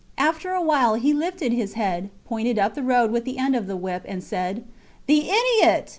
After a while he lifted his head, pointed up the road with the end of the whip, and said The idiot!